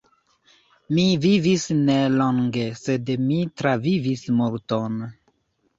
Mi vivis ne longe, sed mi travivis multon.